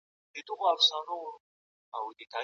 د مظلوم ښيرا له خدای سره پرده نه لري.